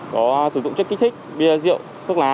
có sử dụng chất kích thích bia rượu thuốc lá